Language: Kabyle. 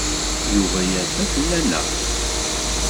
Yuba yerfa fell-aneɣ.